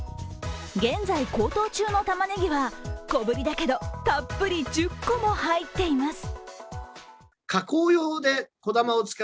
現在、高騰中のたまねぎは小ぶりだけどたっぷり１０個も入っています。